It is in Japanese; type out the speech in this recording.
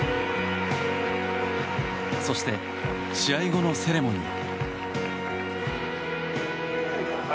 そして、試合後のセレモニー。